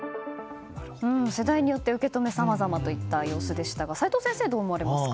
世代によって受け止めがさまざまといった様子でしたが齋藤先生はどう思われますか？